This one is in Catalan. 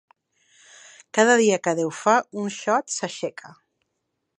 Cada dia que Déu fa, un xot s'aixeca.